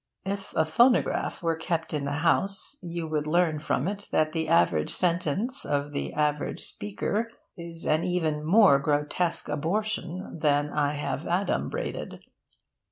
If a phonograph were kept in the house, you would learn from it that the average sentence of the average speaker is an even more grotesque abortion than I have adumbrated.